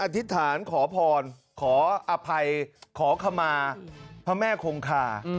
ธิษฐานขอพรขออภัยขอขมาพระแม่คงคา